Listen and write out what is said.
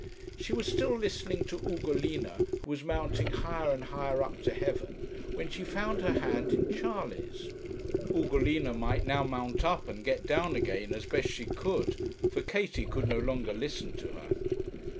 She was still listening to Ugolina, who was mounting higher and higher up to heaven, when she found her hand in Charley's. Ugolina might now mount up, and get down again as best she could, for Katie could no longer listen to her.